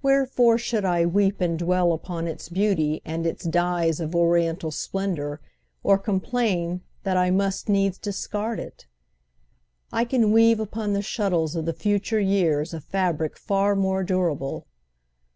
Wherefore should I weep And dwell upon its beauty, and its dyes Of oriental splendor, or complain That I must needs discard it? I can weave Upon the shuttles of the future years A fabric far more durable.